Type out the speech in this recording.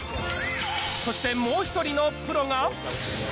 そしてもう１人のプロが。